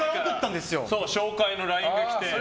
紹介のＬＩＮＥがきて。